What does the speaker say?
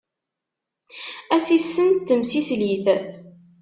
Asissen n temsislit.